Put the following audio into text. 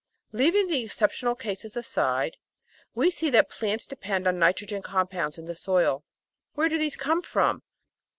Leaving the exceptional cases aside, we see that plants de pend on nitrogen compounds in the soil. Where do these come from?